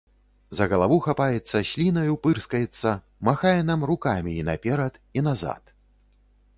За галаву хапаецца, слінаю пырскаецца, махае нам рукамі і наперад і назад.